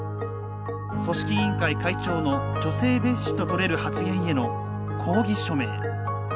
組織委員会会長の女性蔑視と取れる発言への抗議署名。